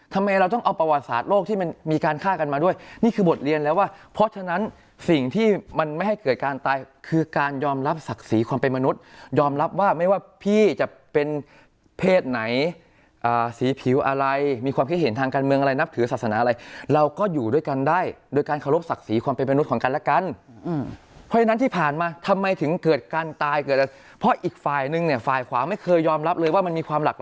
ทำไมเราต้องเอาประวัติศาสตร์โลกที่มันมีการฆ่ากันมาด้วยนี่คือบทเรียนแล้วว่าเพราะฉะนั้นสิ่งที่มันไม่ให้เกิดการตายคือการยอมรับศักดิ์ศรีความเป็นมนุษยอมรับว่าไม่ว่าพี่จะเป็นเพศไหนสีผิวอะไรมีความคิดเห็นทางการเมืองอะไรนับถือศาสนาอะไรเราก็อยู่ด้วยกันได้โดยการเคารพศักดิ์ศรีความ